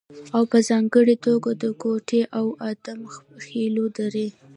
او په ځانګړې توګه د کوټې او ادم خېلو درې